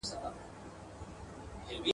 د خپل ګران وجود په وینو لویوي یې ..